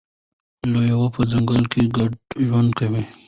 لیوه په ځنګل کې ګډ ژوند کوي.